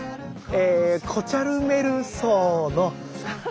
えコチャルメルソウの。